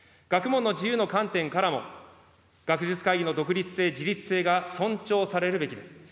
学問の自由の観点からも、学術会議の独立性・自律性が尊重されるべきです。